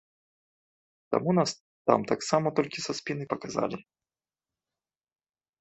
Таму нас там таксама толькі са спіны паказалі.